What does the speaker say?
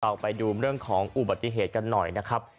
ไปดูเรื่องของอุบัติเหตุกันหน่อยนะครับ